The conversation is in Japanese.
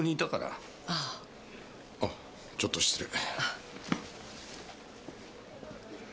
あちょっと失礼。